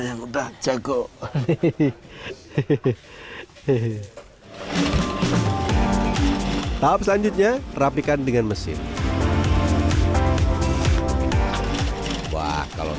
yang udah jago hehehe hehehe tahap selanjutnya rapikan dengan mesin wah kalau